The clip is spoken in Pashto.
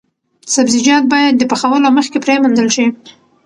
سبزیجات باید د پخولو مخکې پریمنځل شي.